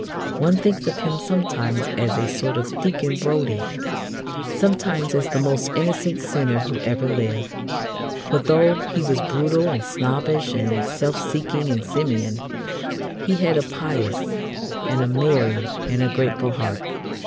One thinks of him sometimes as a sort of Deacon Brodie, sometimes as the most innocent sinner who ever lived. For, though he was brutal and snobbish and self seeking and simian, he had a pious and a merry and a grateful heart.